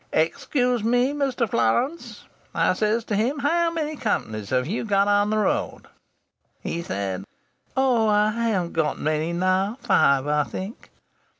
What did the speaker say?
'Excuse me, Mr. Florance,' I says to him. 'How many companies have you got on the road?' He said, 'Oh! I haven't got many now. Five, I think.'